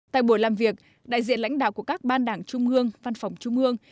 tại buổi làm việc đại diện lãnh đạo của các ban đảng trung ương văn phòng trung ương